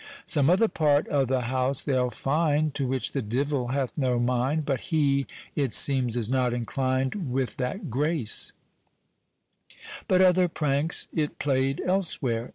Some other part o' th' house they'll find, To which the divell hath no mind, But hee, it seems, is not inclin'd With that grace; But other pranks it plaid elsewhere.